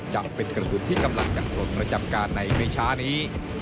จะเป็นกระสุนที่กำลังจะปลดประจำการในไม่ช้านี้